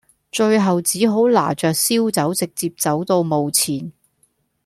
最後只好拿著燒酒直接走到墓前